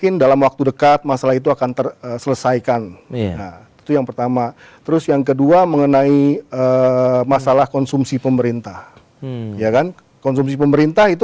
nanti kalau pelarangan ekspor itu